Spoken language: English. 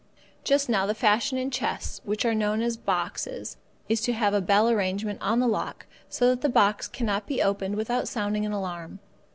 Just now the fashion in chests, which are known as boxes, is to have a bell arrangement on the lock so that the box cannot be opened without sounding an alarm.